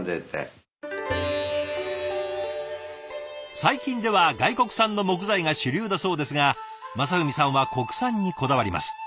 最近では外国産の木材が主流だそうですが正文さんは国産にこだわります。